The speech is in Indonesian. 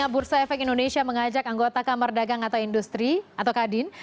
bursa efek indonesia mengajak anggota kamar dagang atau industri atau kadin